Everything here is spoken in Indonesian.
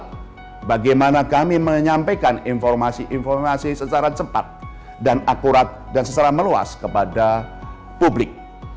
pertama bagaimana kami menyampaikan informasi informasi secara cepat dan akurat dan secara meluas kepada publik